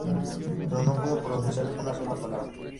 Pero no pudo pronunciar una sola palabra.